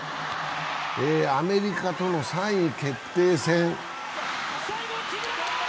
アメリカとの３位決定戦。